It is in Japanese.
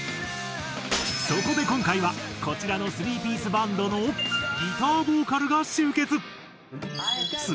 そこで今回はこちらの３ピースバンドのギターボーカルが集結。